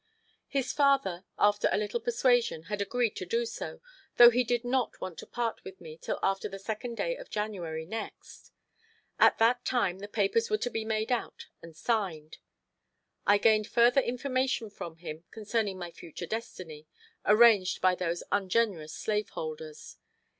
His father, after a little persuasion, had agreed to do so, though he did not want to part with me till after the second day of January next. At that time the papers were to be made out and signed. I gained further information from him concerning my future destiny—arranged by those ungenerous slave holders.